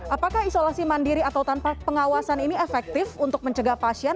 apakah isolasi mandiri atau tanpa pengawasan ini efektif untuk mencegah pasien